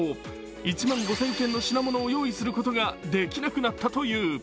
１万５０００件の品物を用意することができなくなったという。